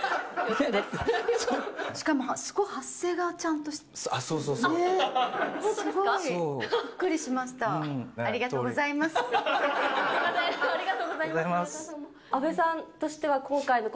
しかもすごく発声がちゃんとしてる。